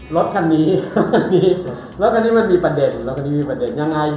รถการณีรถการณีมันมีประเด็นรถการณีมีประเด็นยังไง